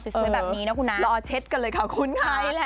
สวยแบบนี้นะคุณน้องค่ะใช่แหละ